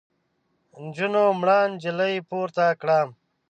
نجونو مړه نجلۍ پورته کړه.